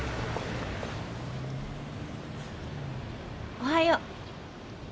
おはよう。